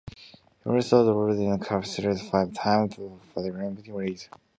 He also drove in the Cup Series five times for Michael Waltrip Racing.